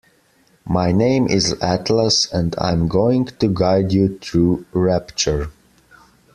My name is Atlas and I'm going to guide you through Rapture.